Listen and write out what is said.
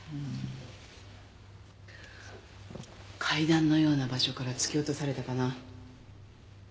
階段のような場所から突き落とされたかな。